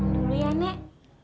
tunggu dulu ya nek